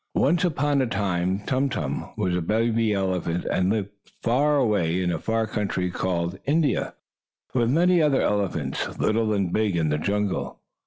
Once upon a time Tum Tum was a baby elephant, and lived away off in a far country called India, with many other elephants, little and big, in the jungle.